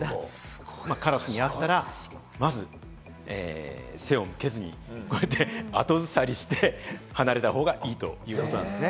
カラスにあったらまず、背を向けずに後ずさりして、離れたほうがいいということなんですね。